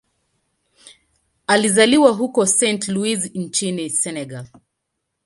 Alizaliwa huko Saint-Louis nchini Senegal.